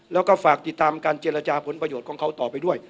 แล้วก็ฝากติดตามการเจรจาผลประโยชน์ของเขาต่อไปด้วย